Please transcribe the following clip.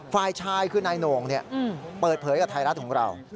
ฝ่ายชายคือนายโหน่งเปิดเผยกับไทยรัฐของเรา